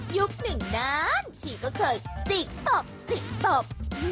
ยุคหนึ่งนานที่ก็เคยจีกตบจีกตบ